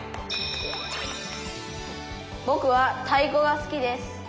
「ぼくは太鼓が好きです」。